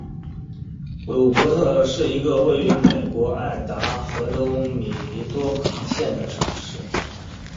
鲁珀特是一个位于美国爱达荷州米尼多卡县的城市。